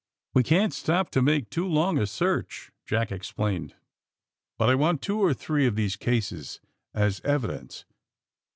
'^We can't stop to make too long a search, '^ Jack explained. ^^Bnt I want two or three of these cases as evidence."